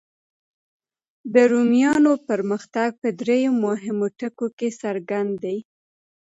د رومیانو پرمختګ په دریو مهمو ټکو کې څرګند دی.